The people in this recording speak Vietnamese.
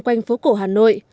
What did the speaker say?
quanh phố cổ hà nội